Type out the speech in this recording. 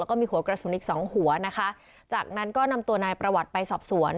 แล้วก็มีหัวกระสุนอีกสองหัวนะคะจากนั้นก็นำตัวนายประวัติไปสอบสวน